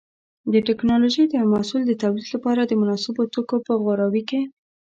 د ټېکنالوجۍ د یو محصول د تولید لپاره د مناسبو توکو په غوراوي کې.